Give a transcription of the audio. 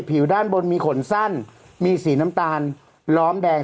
ผิวด้านบนมีขนสั้นมีสีน้ำตาลล้อมแดง